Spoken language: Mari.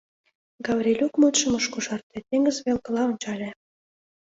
— Гаврилюк мутшым ыш кошарте, теҥыз велкыла ончале.